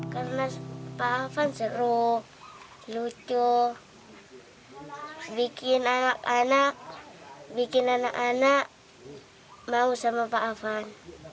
karena pak afan seru lucu bikin anak anak bikin anak anak mau sama pak afan